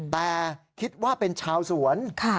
แต่คิดว่าเป็นชาวสวน